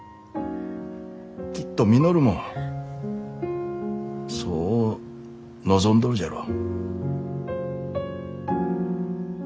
きっと稔もそう望んどるじゃろう。